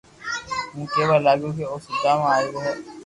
ھون ڪيوا لاگيو ڪو او سودام آويو